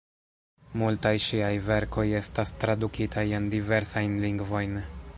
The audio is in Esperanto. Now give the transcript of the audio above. Multaj ŝiaj verkoj estas tradukitaj en diversajn lingvojn.